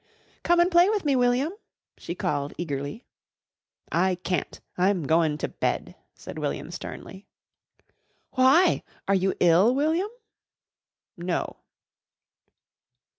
"Come and play with me, William," she called eagerly. "I can't. I'm goin' to bed," said William sternly. "Why? Are you ill, William?" "No."